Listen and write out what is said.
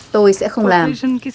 tôi sẽ không làm